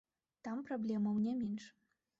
Там праблемаў не менш.